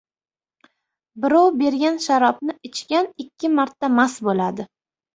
• Birov bergan sharobni ichgan ikki marta mast bo‘ladi.